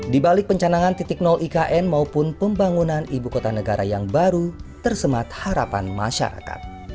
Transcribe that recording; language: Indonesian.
di balik pencanangan titik nol ikn maupun pembangunan ibu kota negara yang baru tersemat harapan masyarakat